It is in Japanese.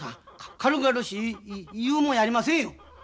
軽々しゅう言うもんやありませんよ。